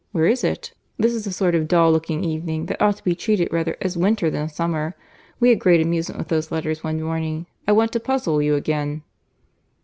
Where is it? This is a sort of dull looking evening, that ought to be treated rather as winter than summer. We had great amusement with those letters one morning. I want to puzzle you again."